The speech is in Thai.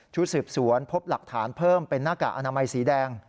สืบสวนพบหลักฐานเพิ่มเป็นหน้ากากอนามัยสีแดง